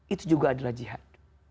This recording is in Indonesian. itu juga adalah jihad